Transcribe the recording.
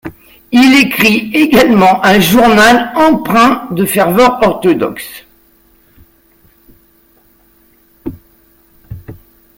Il écrit également un journal empreint de ferveur orthodoxe.